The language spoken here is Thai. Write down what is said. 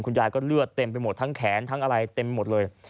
ยายก็เลือดเต็มไปหมดทั้งแขนทั้งอะไรเต็มหมดเลย